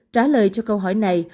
trả lời cho câu hỏi này